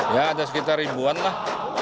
ya ada sekitar ribuan lah